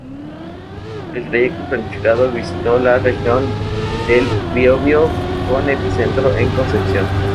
El trayecto planificado visitó la Región del Biobío con epicentro en Concepción.